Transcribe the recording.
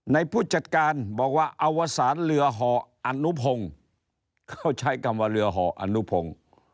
ผู้จัดการบอกว่าอวสารเรือห่ออนุพงศ์เขาใช้คำว่าเรือห่ออนุพงศ์